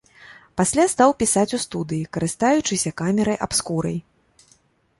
Пасля стаў пісаць у студыі, карыстаючыся камерай-абскурай.